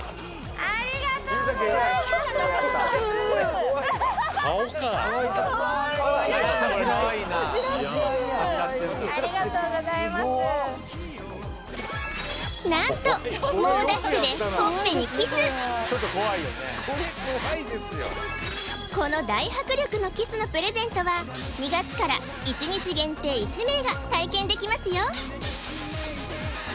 ありがとうございます何と猛ダッシュでほっぺにキスこの大迫力のキスのプレゼントは２月から１日限定１名が体験できますよ